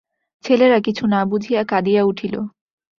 ছেলেরা কিছু না বুঝিয়া কাঁদিয়া উঠিল।